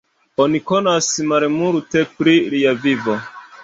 Oni konas malmulte pri lia vivo.